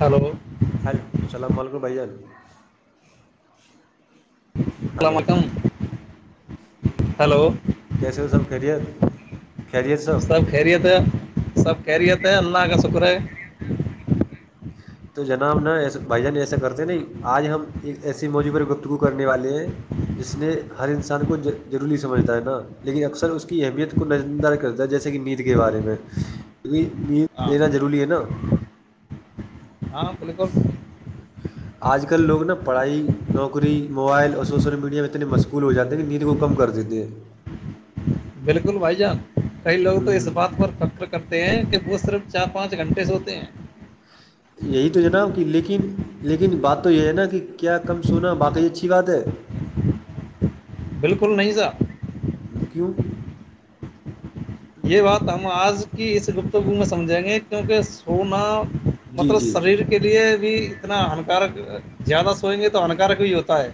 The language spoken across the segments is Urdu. ہلو ہیلو السلام علیکم بھیا ع اللام ہلو وکم ہلو کیسے وہ سب خریت خریت سب سب خیریت ہے سب خہریت ہے اللہ کا شکر ہے تو جناب نہ ایسا بھائی جان ایسا کرتے نہیں آج ہم ایک ایسسی موضوع پر گفتگو کرنے والے ہیں جس نے ہر انسان کو جرورلی سمجھتا ہے نا لیکن اکثر اس کی اہمیت کو نظ انداز کرتا ہے جیسے کہ نیند کے بارے میں کیکہ ہاں نیند لینا ضروری ہے نا ہاں بلی کون آج کل لوگ نا پڑھائی نوکری موبائل اور سوشل میڈیا میں اتنے مشغول ہو جاتے ہیں کہ نیند کو کم کر دیتے ہیں بالکل بھائی جان کئی لوگ تو اس ہوں بات پر فخر کرتے ہیں کہ وہ صرف چار پانچ گھنٹے سے ہوتے ہیں یہی تو جناب کہ لیکن لیکن بات تو یہ ہے نا کہ کیا کم سونا باقی اچھی بات ہے بالکل نہیں سر رکو یہ بات ہم آج کی اس گپتگو میں سمجھیں گے کیونکہ سونا جی مطلب جی شریر کے لیے بھی اتنا ہانکارک زیادہ سوئیں گے تو ہانکارک بھی ہوتا ہے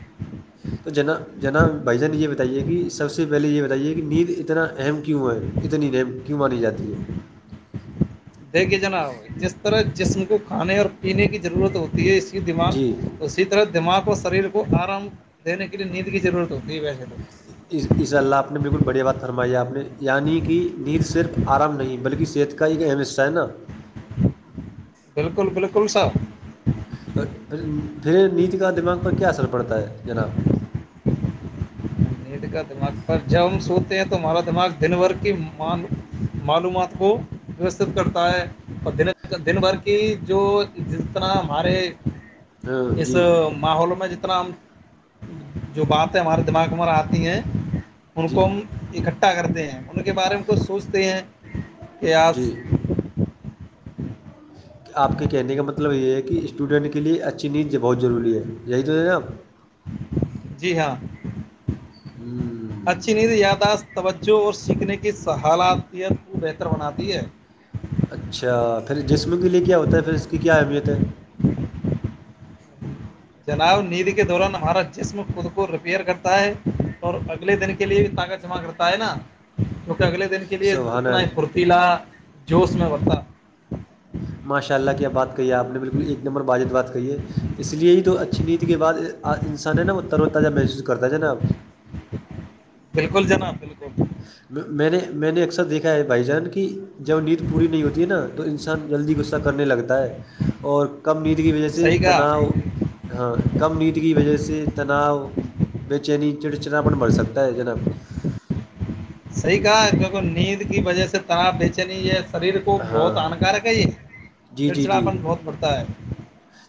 تو جنا جناب بھائی جان یہ بتائیے کہ سب سے پہلے یہ بتائیے کہ نیند اتنا اہم کیوں ہے اتنی نم کیوں ماری جاتی ہے دے کے جنا ہو جس طرح جسم کو کھانے اور پینے کی ضرورت ہوتی ہے اس کی دماغ جی تو اسی طرح دماغ اور شریر کو آرام دینے کے لیے نیند کی ضرورت ہوتی ہے ویسے تو اسضء اللہ آپ نے بالکل بڑھیا بات فرمائی ہے آپ نے یعنی کہ نیند صرف آرام نہیں بلکہ صحت کا ایک اہم حصہ ہے نا بالکل بالکل سر تو پھر پھر نیچ کا دماغ پر کیا اثر پڑتا ہے جناب ند کا دماغ پر جب ہم سوتے ہیں تو ہمارا دماغ دن بھر کی معلومات کو وستت کرتا ہے اور د دن بھر کی جو جس طرح ہمارے ہاں اس جی ماحول میں جتنا ہم جو بات ہے ہمارے دماغ میں ہم آتے ہیں ان کو جی ہم اکٹھا کرتے ہیں ان کے بارے میں ک سوچتے ہیں کہ جی آج کہ آپ کے کہنے کا مطلب یہ ہے کہ اسٹوڈنٹ کے لیے اچھی نیز بہت ضروری ہے یہی تو ہے نا آپ جی ہاں اچھی ند یاداشت توجہ اور سیکھنے کی صحلاحیت کو بہتر بناتی ہے اچھا پھر جسم کے لیے کیا ہوتا ہے پھر اس کی کیا اہمیت ہے جناب نید کے دوران ہمارا جسم خود کو ریپیئر کرتا ہے اور اگلے دن کے لیے بھی طاقت جمع کرتا ہے نا کیونکہ اگلے دن کے لیے سبحان اتنا ہی اللہ، پھرتیلا جوش میں بتا ماشاء اللہ کی آب بات کہی ہے آپ نے بالکل ایک نمبر باجد بات کہی ہے اس لیے ہی تو اچھی نید کے بعد انسان ہے نا وہ تر و تازہ محسوس کرتا ہے ج ناب بالکل جناب بالکل میں نے میں نے اکثر دیکھا ہے بھائی جان کی جب نیند پوری نہیں ہوتی ہے نا تو انسان جلدی غصہ کرنے لگتا ہے اور کم نیند کی وجہ سے صحیح کہا تناؤ ہاں کم نیند کی وجہ سے تناؤ بے چینی چڑ چناپن بڑھ سکتا ہے جناب صحیح کہا کیک نیند کی وجہ سے تناپ بیچے نہیں یہ شریر کو بہت ہاں ہانکارک ہے یہ جی جی جی چڑچڑاپن بہت پڑتا ہے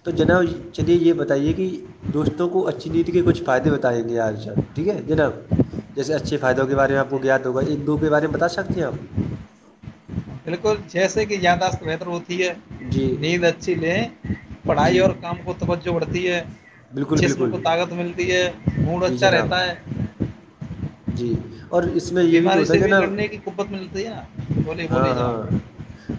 تو جناب چلیے یہ بتائیے کہ دوستوں کو اچھی نیتی کے کچھ فائدے بتائیں گے آج ش ٹھیک ہے جناب جیسے اچھھی فائدوں کے بارے میںپ ٹھیک گیا ہوا ایک دو کے بارے میں بتا سکتے ہیں آپ بالکل چھ س کی زیاداش بہتر ہوتی ہے جی نیند اچھی لے جی پڑھائی اور کام کو توجہ بڑھتی ہے بالکل جسم بالکل کو طاقت ملتی ہے مڈ جی اچھا جناب رہتا ہے جی اور اس میں یہ بھی تو بیماری ہوتا سے ہے کہ نا لڑنے کی قوت ملتی ہے نا بولیے ہاں بولیے ہاں جناب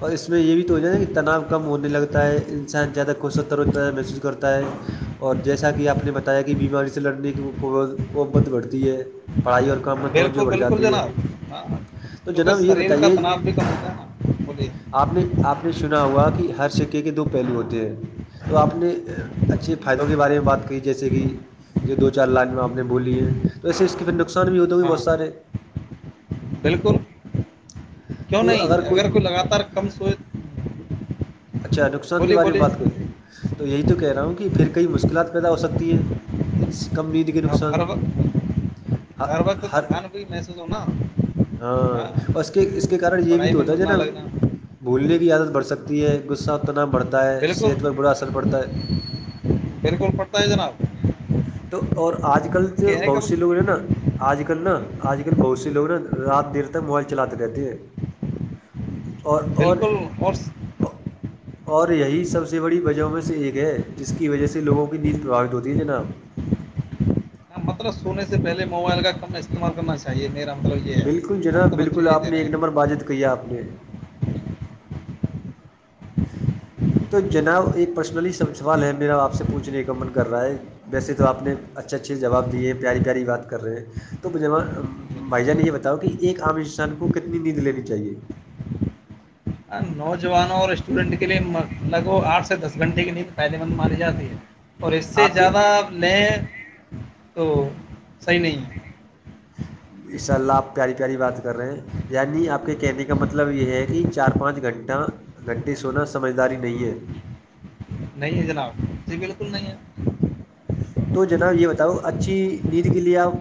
اور اس میں یہ بھی تو ہو جائےا کہ تناؤ کم ہونے لگتا ہے انسان زیادہ خوش ہوتا ہے زدہ محسوس کرتا ت اور جیسا کہ آپ نے بتایا کہ بیماری سے لڑنے کی قبت بڑھتی ہے پڑھائی اور کام میں توجہ بالکل بڑھ بالکل جاتی ہے جناب ہاں تو کیونکہ جناب یہ شریر کا بتائیے تناؤ بھی کم ہوتا ہے نا الیے آپ نے آپ نے سنا ہوا کہ ہر سکے کے دو پہلو ہوتے ہیں تو آپ نے اچھے فائدوں کے بارے میں بات کی جیسے کہ یہ دو چار لائن میں آپ نے بولی ہے تو ایسے اس کے پھر نقصان بھی ہوتا گے ہاں بہت سارے بالکل کیوں نہیں اگر کوئی لگاتار کم سوئ اچھا نقصان کے بارے میں بات کریں تو یہی تو کہہ رہا ہوں کہ پھر کئی مشکلات پیدا ہو سکتی ہیں کمرید کے اب ہر نقصان وقت ہر وقت تھکاان کوئی محسوس ہوناا ہاں اور اس کے اس کے کارن یہ بھی تو میں ہوتا ہے ج من نہ نا لگنا بھولنے کی عادت بڑھ سکتی ہے غصہ ا تنا بڑھتا ہے صحت بالکل پر برا اثر پڑتا ہے بالکل پ ت جناب تو اور آج کل تو کہنے کا بہت سے لوگ نے نا آج کل نا آج کل بہت سے لوگ نا رات دیر تک موبائل چلاتے رہتے ہیں اور اور بالکل اور اور یہی سب سے بڑی وجہوں میں سے ایک ہے جس کی وجہ سے لوگوں کی نیند پرباوت ہوتی ہے جناب اں مطلب سونے سے پہے موبائل کا کم استعمال کرنا چے اچا یہ میرا مطلب یہ ہے بالکل ہم جناب تو بچے بالکل یہ آپ دے نے رہے ایک ہیں نمبر باجد کیا آپ نے تو جناب ایک پرسنلی سوال ہے میرا آپ سے پوچھنے کا من کر رہا ہے ویسے تو آپ نے اچھے اچھے جواب دیے ہیں پیاری پیاری بات کر رہے ہیں تو جم بھائی جان نے یہ بتاؤ کہ ایک عام انسان کو کتنی نیند لینی چاہیے ہاں نوجوانوں اور اسٹوڈنٹ کے لیے لگ بھگ آٹھ سے دس گھنٹے کے لی تو فائدے مند ماری جاتی ہے اور اس سے آپ کے زیادہ آپ لیں تو صحیح نہیں ہے اس شاء ال لب پیاری پیاری بات کر رہے یعنی آپ کے کہنے کا مطلب یہ ہے کہ چار پانچ گھنٹہ گھنٹے سونا سمجھداری نہیں ہے نہیں جناب جی بالکل نہیں ہے تو جناب یہ بتاؤ اچھی ند کے لیے آپ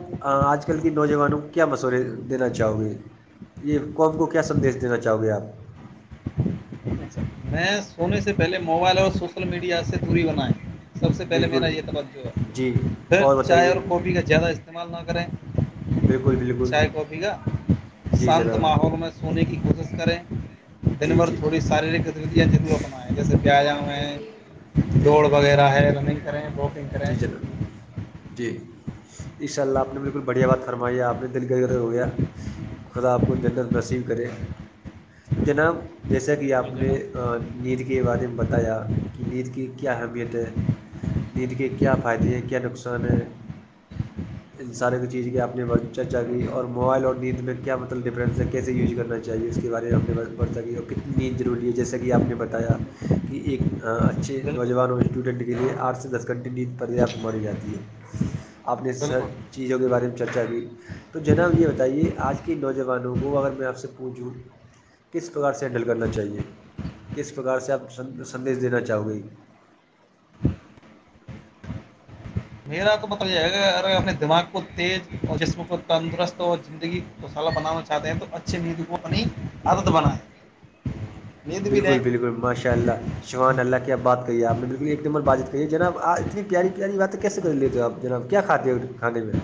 آج کل کے نوجوانوں کو کیا مشورے دینا چاہو گے یہ قب کو کیا سندیش دینا چاہو گے آپ اچھا میں سونے سے پہلے موبائل اور سوشل میڈیا سے دوری بنائ سب سے پہلے بالکل میرا یہ توجہ جی پھر چائے اور کافی کا زیادہ استعمال نہ کریں بالکل بالکل چائے کافی کا جی شانت جناب ماحول میں سونے کی کوشش کریں دن جی بھر جی تھوڑی شارییرک ضرور اپنیں جیسے بیایا ہیں جی دوڑ وغیرہ ہے رننگ کریں واکنگ کریں جی جناب جی اشاء اللہ آپ نے بالکل بڑھیا بات فرمائی آپ نے دل کا غرض ہو گیا خدا آپ کو جنت نسیب کرے تو جناب جیسا کہ آپ بالکل نے جناب نیند کے بارے میں بتایا کہ نیند کی کیا اہمیت ہے نید کے کیا فائدے ہیں کیا نقصان ہے ان سارے کی چیز کی آپ نے چرچا کی اور موبائل اور نیند میں کیا مطلب ڈفرینس ہے کیسے وز کرنا چاہیے اس اس کے بارے میں ہم نے پڑ کی کتنی ضوری ہے جیسا کہ آپ نے بتایا بالکل بالکل کہ ایک اچھے نوجوان اور بالکل اسٹوڈنٹ کے لیئے آٹھ سے دس کنٹنی پریاپت مانی جاتی ہے آپ نے سب بالکل چیزوں کے بارے میں چرچا کی تو جناب یہ بتائیے آج کے نوجوانوں کو اگر میں آپ سے پوچھوں کس پرکار سے ہینڈل کرنا چاہیے کس پرکار سے آپ سندیش دینا چاہو گے میرا تو مطلب یہ ہے ا اپنے دماغ کو تیز اور جسم کو تندرست اور زندگی مسالہ بنانا چاہتے ہیں تو اچھے میند کو اپنی عرد بنائیں نیند بھی لیں بالکل بالکل ماشاء اللہ شمان اللہ کی آپ باتی آپ نے بالکل ایک نمبر بات چیت کیی جنابپ اتنی پیاری پیاری باتیں کیسے کر لیتے ہو آپ جناب کیا کھاتی کھدے میں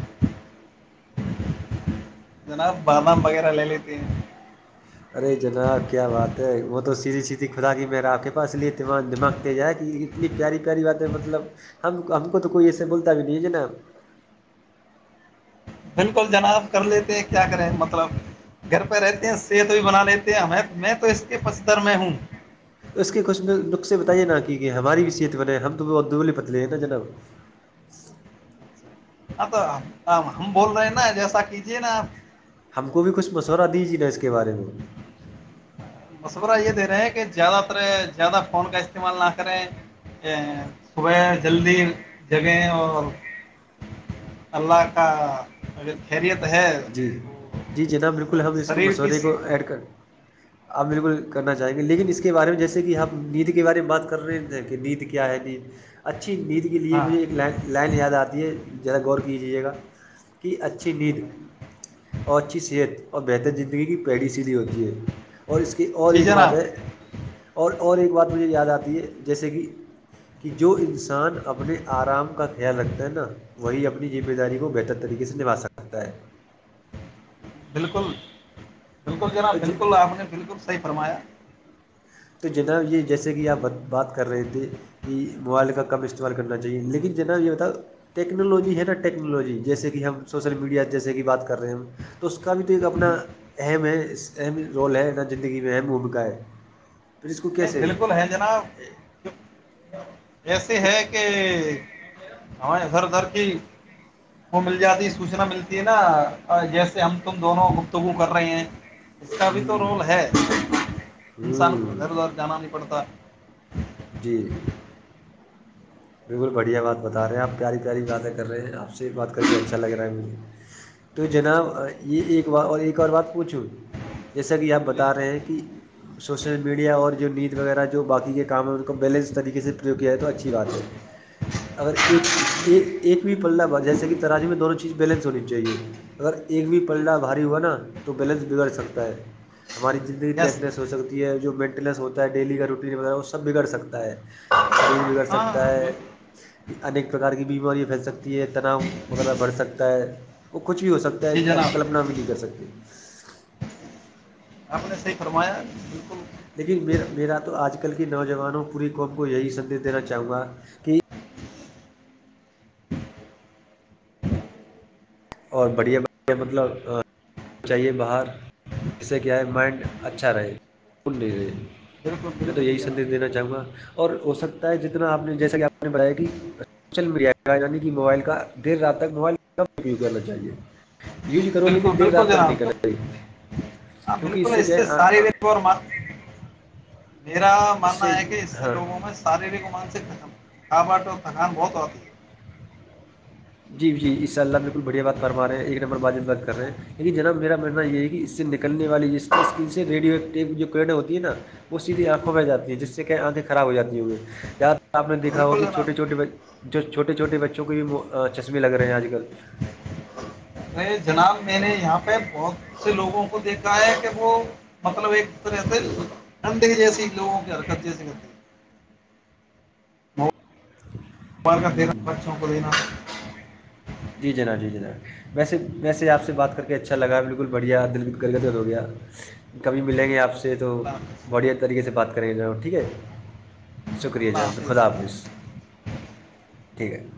جناب بادام وغیرہ لے لی ت ارے جناب کیا بات ہے وہ تو سیدھی سیدھی خھدا کی میرا آپ کے پاس اس لیےا دماغ تیز آ ہے کہ اتنی پیاری پیاری بات ہے مطلب ہم ہم کو تو کوئی ایسے بولتا بھی نہیں ہے جے نا بالکل جناب کر لیتے کیا کریں مطلب گھر پہ رہتے ہیں صحت بھی بنا لیتے ہیں میں تو اس کے پستر میں ہوں تو اس کے کچھ نقخے بتائیے نا کہ کہ ہماری بھی صحت بنےے ہم تو بدبل پتلے ہیں نا جناب ہاں تو ہم بول رہے ہیں نا جیسا کیجیے نا آپ ہم کو بھی کچھ مشورہ دیجی نا اس کے بارے میں آپ مشورہ یہ دے رہے ہیں کہ زیادہ تر زیادہ فون کا استعمال نہ کریں صبح جلدی جگیں اور اللہ کا ا خیریت ہے جی تو جی جناب بالکل ہم اس کو شریر کی مسورے کو ایڈ کریں آپ بالکل کرنا چاہیں گے لیکن اس کے بارے میں جیسے کہ ہمپ نید کے بارے میں بات کر رہے ہیں کہ نید کیا ہے ن اچھی مید [unintelligible] لیے ہاں مجھے ایک لائن یاد آتی ہے ذرا غور کیجیے گا کہ اچھی نیند اور اچھی صحت اور بہتر زندگی کی پہڑ سی لی ہوتی ہے اور اس کہ اور جی ایک بات جناب ہے اور اور ایک بات مجھے یاد آتی ہے جیسے کہ کہ جو انسان اپنے آرام کا خیال رکھتا ہے نا وہ اپنی ذمہ داری کو بہتر طریق سے نبا سکتے پتا ہے بالکل بالکل جناب تو بالکل آپ نے بالکل صحیح فرمایا تو جناب یہ جیسے کہ آپ بات کر رہے تھے کہ موائل کا کم استعمال کرنا چاہیے لیکن ج نا یہ ہو تھا ٹیکنالوجی ہے نا ٹیکنالوجی جیسے کہ ہم سوشل میڈیا جیسے کہ بات کر رہے ہم تو اس کا بھی تو ایک اپنا اہم ہے اہم رول ہے نہ زندگی میں اہم بھومکا ہے پھر اس کو نہیں کیسے بالکل ہے جناب ایسے ہے کہ ہمارے ادھر ادھر کی وہ مل جاتی سوچنا ملتی ہے نا جیسے ہم تم دونوں گفتگو کر رہے ہیں میں اس کا بھی تو رول ہے انسان کو ہوں ادھر ادھر جانا نہیں پڑتا جی بالکل بڑھیا بات بتا رہے ہیں آپ پیاری پیاری باتیں کر رہے ہیں آپ سے بات کر کے اچھا لگ رہا ہے مجھے تو جناب یہ ایک اور ایک اور بات پوچھو جیسا کہ آپ بولیے بتا رہے ہیں جناب کہ سوشل میڈیا اور جو نید وغیرہ جو باقی کے کام میں اس کو بیلنس طریقے سے پرریوگ کیاائے تو اچھی بات ہے اگر ایک ایک بھی پللا بات جیسے کہ تراجی میں دونوں چیز بیلنس ہونی چاہیے اگر ایک بھی پلڈا بالکل بھاری ہوا نا تو بیلنس بگڑ سکتا ہے ہماری زندگی ٹیس یس لیس ہو سکتی ہے جو مینٹیننس ہوتا ہے ڈیلی کا روٹین وغیرہ وہ س بگڑ سکتا ہے شریر بگڑ ہاں سکتا ہے بالکل انیک پرکار کی بیماریاں پھیل سکتی ہے تناؤ وغیرہ بڑھ سکتا ہے وہ کچھ بھی ہو سکتا جی ہے آپ جناب کلپنا بھی نہیں کر سکتے آپ نے صحی فرمایا بالکل لیکن میر میرا تو آج کل کی نوجوانوں پوری قوم کو یہی سندیش دینا چاہوں گا کہ اور بڑھیا بڑھیا مطلب چاہیے باہر اس سے کیا ہے مائنڈ اچھا رہےول نہیں رہے بالکل میں تو بالکل یہی جی سندیش جناب دینا چاہوں گا اور ہو سکتا ہے جتنا آپ نے جیسا کہ آپ نے بڑھیا کہ سوشل میڈیا کا یعنی موبائل کا دیر رات تک موبائل کم کرنا چاہیے یوز کرو بالکل لیکن دیر رات بالکل تک نہیں جناب کرنا چاہیے ہاں کیونکہ بالکل اس کیا سے ساری ہے ر اور م میرا اس ماننا سے ہے کہ اس سے ہاں لوگوں میں شاریرک اور مانسک تھک کھ باٹ اور تھکان بہت ہوتی ہے جی جی اساء اللہ بال بل بڑیا بات فرما رہ ہیں ایک نمبر ماجد بات کر رہے ہیں لیکن جناب میرا ماننا یہ ہے کہ اس سے نکلنے والی جس کی اسکرین سے ریڈو ایکٹی جو کوڈ ہوتی ہے نا وہ سیدھی آنکھوں بہ جاتی ہے جس سے کہ آنکھیں خراب ہو جاتی ہو ہیں یہاں آپ نے دیکھا ہو بالکل کہ جناب چوٹے چھوے جو چھوٹے چھوٹے بچوں کے بھی چشمے لگ رہے ہیں آج کل ا جناب میں نے یہاں پہ بہت سے لوگوں کو دیکھا ہے کہ وہ مطلب ایک گندگ جیسیے لوگوں کے جیسے گند ب کا دینا خرچوں کو دینا جی جناب جی جناب ویسے ویسے آپ سے بات کر کے اچھا لگا بالکل بڑھیا دل گرگدر ہو گیا کبھی ملیں گے آپ سے تو اللہ حافظ بڑیا طریقے سے بات کریں گے جو ہے ٹھیک ہے شکریہ جناب تو خدا حافظ ٹھیک ہے